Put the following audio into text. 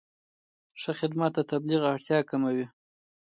ښه خدمت د تبلیغ اړتیا کموي.